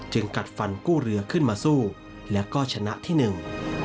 กัดฟันกู้เรือขึ้นมาสู้แล้วก็ชนะที่หนึ่ง